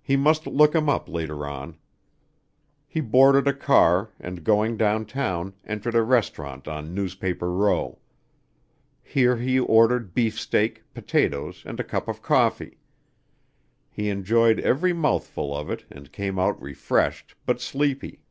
He must look him up later on. He boarded a car and, going down town, entered a restaurant on Newspaper Row. Here he ordered beefsteak, potatoes, and a cup of coffee. He enjoyed every mouthful of it and came out refreshed but sleepy.